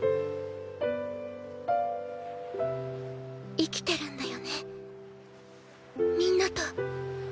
生きてるんだよねみんなと。